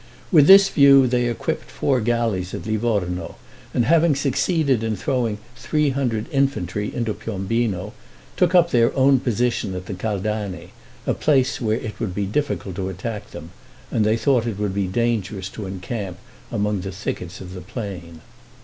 With this view they equipped four galleys at Livorno, and having succeeded in throwing three hundred infantry into Piombino, took up their own position at the Caldane, a place where it would be difficult to attack them; and they thought it would be dangerous to encamp among the thickets of the plain.